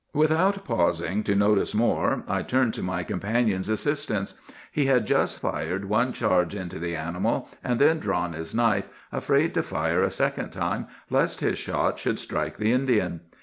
"Without pausing to notice more, I turned to my companion's assistance. He had just fired one charge into the animal, and then drawn his knife, afraid to fire a second time lest his shot should strike the Indian.